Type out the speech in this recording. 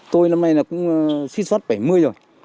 tôi năm nay là cũng suýt xuất bảy mươi rồi